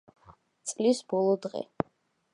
წლის ბოლო დღე.